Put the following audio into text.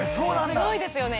すごいですよね。